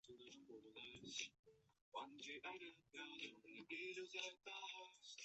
是前任首领段乞珍之子。